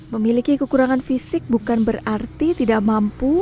memiliki kekurangan fisik bukan berarti tidak mampu